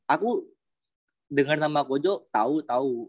aku dengar nama kojo tau tau